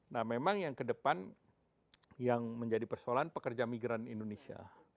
nah memang yang kedepan yang menjadi persoalan pekerja migran indonesia